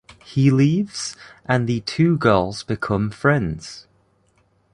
He leaves, and the two girls become friends.